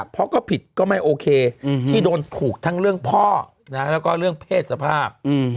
เพราะก็ผิดก็ไม่โอเคที่โดนถูกทั้งเรื่องพ่อแล้วก็เรื่องเพศสภาพ